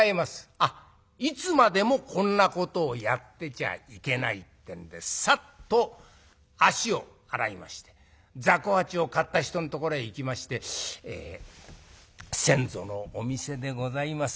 あっいつまでもこんなことをやってちゃいけないってんでさっと足を洗いましてざこ八を買った人のところへ行きまして「先祖のお店でございます。